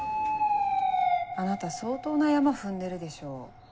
あなた相当なヤマ踏んでるでしょ。